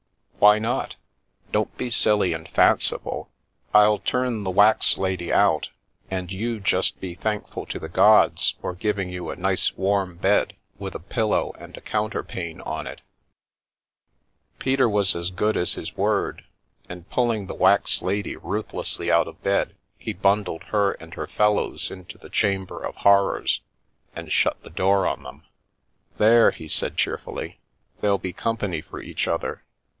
"Why not? Don't be silly and fanciful. I'll turn the wax lady out, and you just be thankful to the gods for giving you a nice warm bed with a pillow and a counterpane on it" oo Where the 'Bus Went Peter was as good as his word, and pulling the wax lady ruthlessly out of bed, he bundled her and her fel ows into the Chamber of Horrors, and shut the door on them. " There !" he said cheerfully, " they'll be company for each other."